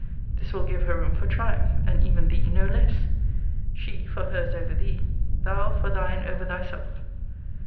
This will give her room for triumph; and even thee no less: she, for hers over thee; thou, for thine over thyself.